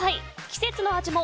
季節の味も！